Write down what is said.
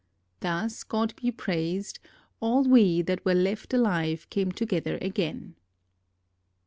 Thus, God be praised, all we that were left alive came together again.